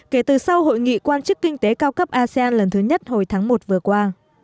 kể từ sau hội nghị quan chức kinh tế cao cấp asean lần thứ nhất hồi tháng một vừa qua